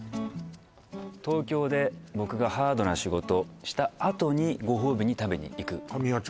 東京で僕がハードな仕事したあとにご褒美に食べに行く神谷町？